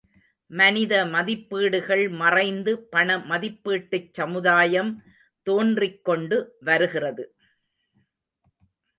மனித மதிப்பீடுகள் மறைந்து பண மதிப்பீட்டுச் சமுதாயம் தோன்றிக் கொண்டு வருகிறது.